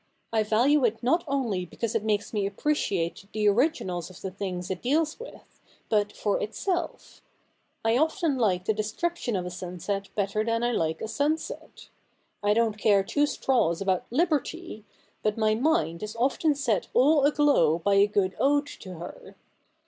I value it not only because it makes me appreciate the originals of the things it deals with, but for itself. I often like the description of a sunset better than I like a sunset : I dont care two straws about Liberty, but my mind is often set all agtow by a good ode to her.